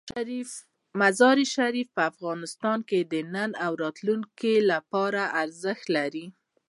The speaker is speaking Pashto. مزارشریف په افغانستان کې د نن او راتلونکي لپاره ارزښت لري.